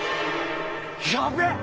やべえ！